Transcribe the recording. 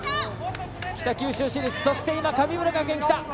北九州市立、そして神村学園きた。